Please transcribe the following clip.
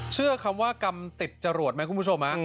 เชื่อคำว่ากรรมติดจรวดไหมคุณผู้ชม